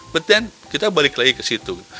but then kita balik lagi ke situ